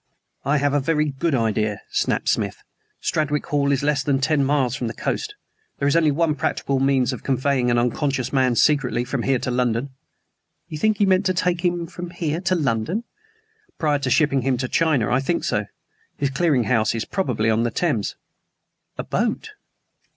"I have a very good idea," snapped Smith. "Stradwick Hall is less than ten miles from the coast. There is only one practicable means of conveying an unconscious man secretly from here to London." "You think he meant to take him from here to London?" "Prior to shipping him to China; I think so. His clearing house is probably on the Thames." "A boat?"